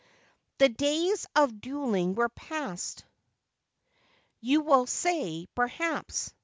" The days of duelling were past," you will say, perhaps.